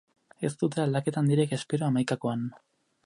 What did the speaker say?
Ez dute aldaketa handirik espero hamaikakoan.